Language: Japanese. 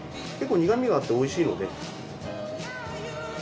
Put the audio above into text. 結構苦味があっておいしいので。